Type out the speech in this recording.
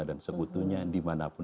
dan sekutunya dimanapun